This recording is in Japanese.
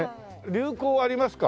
流行はありますか？